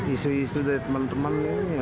isu isu dari teman teman